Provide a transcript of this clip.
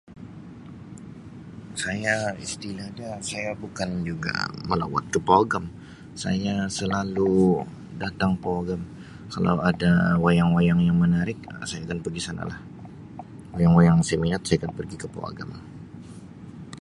Saya istilah dia saya bukan juga melawat tu pawagam saya selalu datang pawagam kalau ada wayang-wayang yang menarik saya akan pegi sana lah wayang-wayang saya minat saya akan pergi ke pawagam.